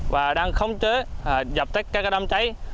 và đang khống chế dập tích các đám cháy